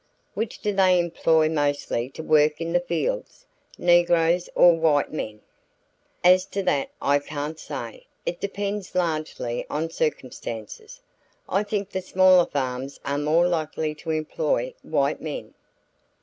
"Which do they employ mostly to work in the fields, negroes or white men?" "As to that I can't say. It depends largely on circumstances. I think the smaller farms are more likely to employ white men."